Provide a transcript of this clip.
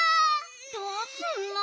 どうすんの？